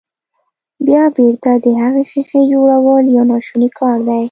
بيا بېرته د هغې ښيښې جوړول يو ناشونی کار دی.